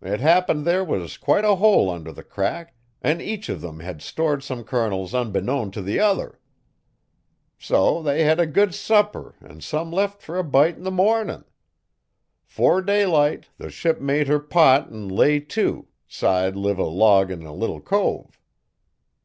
It happened there was quite a hole under the crack an' each uv 'em bad stored some kernels unbeknown t' the other. So they hed a good supper 'n' some left fer a bite 'n the mornin'. 'Fore daylight the ship made her pott 'n' lay to, 'side liv a log in a little cove.